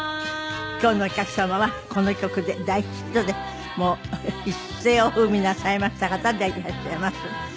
今日のお客様はこの曲で大ヒットでもう一世を風靡なさいました方でいらっしゃいます。